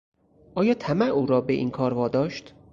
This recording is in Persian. آیا طمع او را به این کار واداشت؟